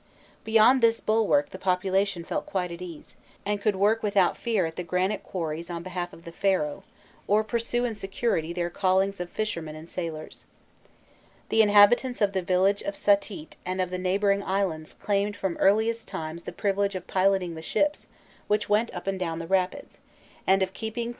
Behind this bulwark the population felt quite at ease, and could work without fear at the granite quarries on behalf of the Pharaoh, or pursue in security their callings of fishermen and sailors. The inhabitants of the village of Satît and of the neighbouring islands claimed from earliest times the privilege of piloting the ships which went up and down the rapids, and of keeping clear the passages which were used for navigation.